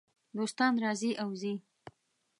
دوستان راځي او ځي .